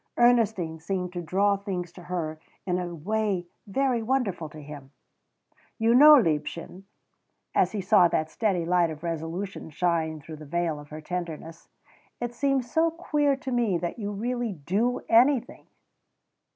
Ernestine seemed to draw things to her in a way very wonderful to him. "You know, liebchen," as he saw that steady light of resolution shine through the veil of her tenderness "it seems so queer to me that you really do anything."